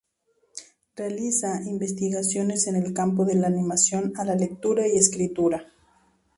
Realiza investigaciones en el campo de la animación a la lectura y escritura.